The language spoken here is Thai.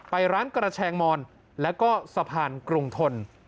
ไปร้านกระแชงมอนแล้วก็สะพานกรุงทน